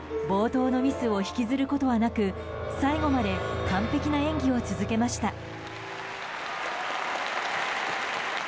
冒頭のミスを引きずることはなく、最後まで完璧な演技を続けました。